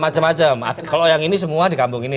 macem macem kalau yang ini semua di kampung ini